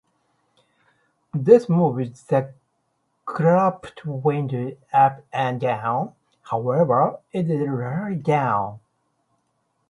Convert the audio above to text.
This moves the cropped "window" up and down, however it is rarely done.